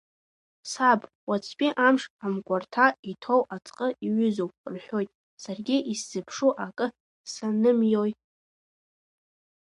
Саб, уаҵәтәи амш амгәарҭа иҭоу аӡҟы иҩызоуп, — рҳәоит, саргьы иссзыԥшу акы санымиои.